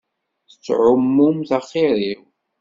Tettɛummumt axiṛ-iw.